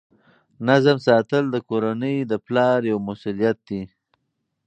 نظم ساتل د کورنۍ د پلار یوه مسؤلیت ده.